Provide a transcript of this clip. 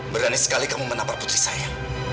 berani sekali kamu menapar putri saya